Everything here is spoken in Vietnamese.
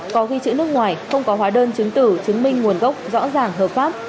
có ghi chữ nước ngoài không có hóa đơn chứng tử chứng minh nguồn gốc rõ ràng hợp pháp